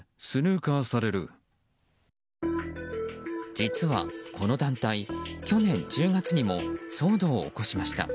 実はこの団体、去年１０月にも騒動を起こしました。